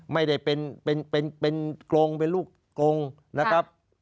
ไม่ได้เป็นเป็นเป็นเป็นโกรธเป็นลูกโกรธนะครับ